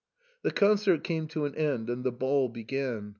" The concert came to an end, and the ball began.